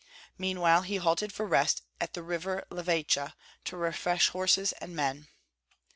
Meanwhile he halted for rest at the river Lavecha, to refresh horses and men.